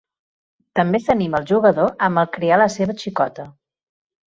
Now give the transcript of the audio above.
També s'anima el jugador a malcriar la seva xicota.